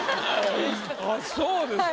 あっそうですか。